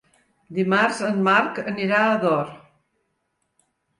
Dimarts en Marc anirà a Ador.